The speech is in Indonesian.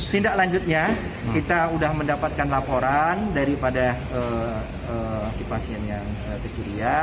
tindak lanjutnya kita sudah mendapatkan laporan daripada si pasien yang kecurian